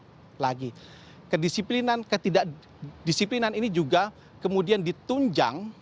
beraktivitas yang lebih dilonggarkan lagi kedisiplinan ketidakdisiplinan ini juga kemudian ditunjang